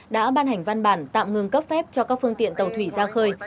đã ban hành văn bản tạm ngừng cấp phép cho các phương tiện tàu thủy ra khơi